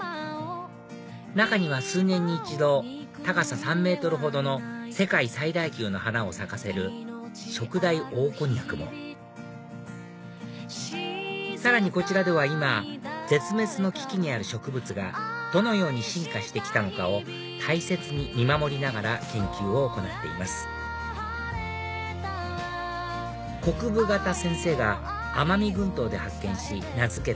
中には数年に一度高さ３ｍほどの世界最大級の花を咲かせるショクダイオオコンニャクもさらにこちらでは今絶滅の危機にある植物がどのように進化してきたのかを大切に見守りながら研究を行っています國府方先生が奄美群島で発見し名付けた